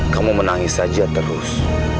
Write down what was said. kamu menangis saja terus